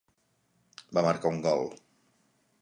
Va marcar un gol.